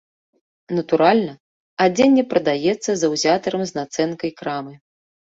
Натуральна, адзенне прадаецца заўзятарам з нацэнкай крамы.